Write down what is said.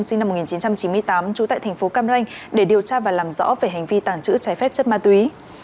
sinh năm một nghìn chín trăm chín mươi tám trú tại thành phố cam ranh để điều tra và làm rõ về hành vi tàng trữ trái phép chất ma túy